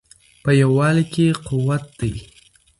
په یووالي کې قوت دی.